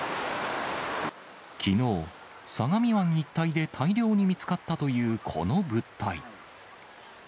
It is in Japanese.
きのう、相模湾一帯で大量に見つかったというこの物体。